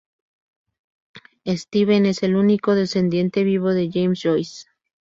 Stephen es el único descendiente vivo de James Joyce.